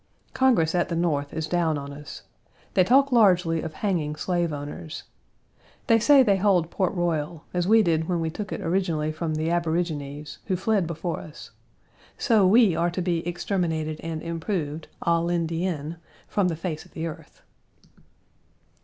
Congress at the North is down on us. They talk largely of hanging slave owners. They say they hold Port Royal, as we did when we took it originally from the aborigines, who fled before us; so we are to be exterminated and improved, à l'Indienne, from the face of the earth.